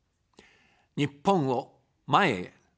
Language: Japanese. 日本を、前へ。